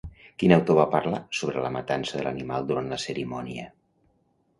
Quin autor va parlar sobre la matança de l'animal durant la cerimònia?